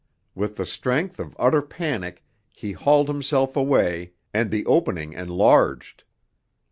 With the strength of utter panic he hauled himself away, and the opening enlarged.